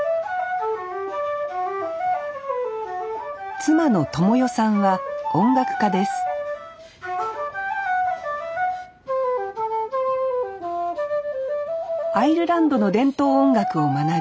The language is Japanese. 妻の知世さんは音楽家ですアイルランドの伝統音楽を学び